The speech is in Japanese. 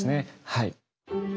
はい。